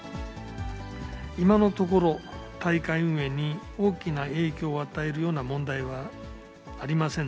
今のところ、大会運営に大きな影響を与えるような問題はありません